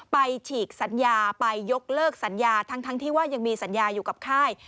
ฉีกสัญญาไปยกเลิกสัญญาทั้งที่ว่ายังมีสัญญาอยู่กับค่าย